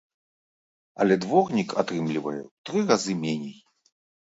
Але дворнік атрымлівае ў тры разы меней.